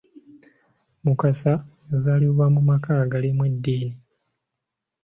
Mukasa yazaalibwa mu maka agalimu eddiini.